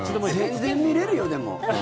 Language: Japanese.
全然見れるよ、でも。